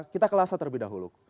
kita ke lhasa terlebih dahulu